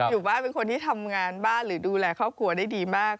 อยู่บ้านเป็นคนที่ทำงานบ้านหรือดูแลครอบครัวได้ดีมาก